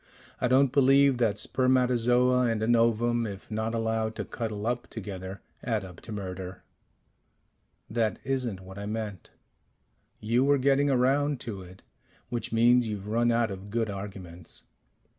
I don't believe that spermatozoa and an ovum, if not allowed to cuddle up together, add up to murder." "That isn't what I meant " "You were getting around to it which means you've run out of good arguments."